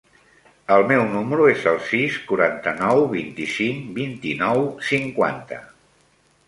El meu número es el sis, quaranta-nou, vint-i-cinc, vint-i-nou, cinquanta.